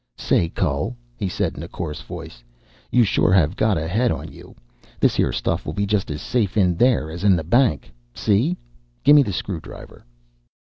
"Say, cul," he said in a coarse voice, "you sure have got a head on you. This here stuff will be just as safe in there as in a bank, see? Gimme the screw driver."